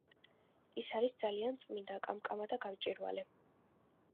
ის არის ძალიან წმინდა, კამკამა და გამჭვირვალე.